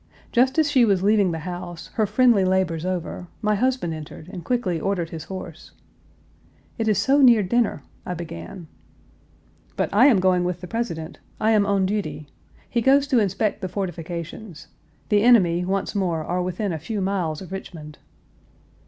Just as she was leaving the house, her friendly labors over, my husband entered, and quickly ordered his horse. "It is so near dinner," I began. "But I am going with the President. I am on duty. He goes to inspect the fortifications. The enemy, once more, are within a few miles of Richmond."